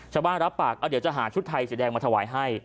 รับปากเดี๋ยวจะหาชุดไทยสีแดงมาถวายให้